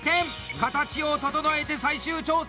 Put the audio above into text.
形を整えて、最終調整！